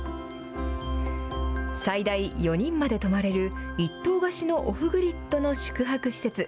最大４人まで泊まれる一棟貸しのオフグリッドの宿泊施設。